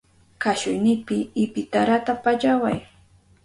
Kashuynipi ipitarata pallaway.